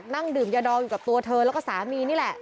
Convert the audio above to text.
นั่งดื่มยาดองอยู่กับตัวเธอแล้วก็สามีนี่แหละ